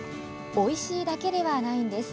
おいしいだけではないんです。